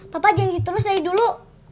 papa janji terus dari dulu